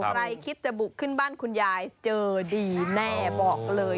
ใครคิดจะบุกขึ้นบ้านคุณยายเจอดีแน่บอกเลย